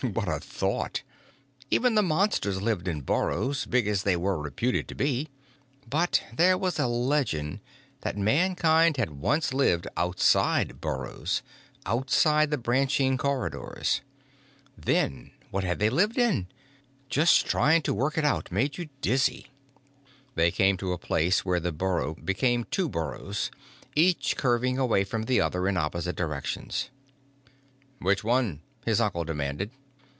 What a thought! Even the Monsters lived in burrows, big as they were reputed to be. But there was a legend that Mankind had once lived outside burrows, outside the branching corridors. Then what had they lived in? Just trying to work it out made you dizzy. They came to a place where the burrow became two burrows, each curving away from the other in opposite directions. "Which one?" his uncle demanded.